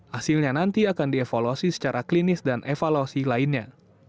hasilnya nanti akan dievaluasi secara klinis dan evaluasi lainnya